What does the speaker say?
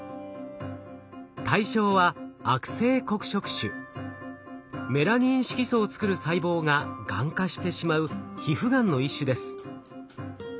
対象はメラニン色素を作る細胞ががん化してしまう皮膚がんの一種です。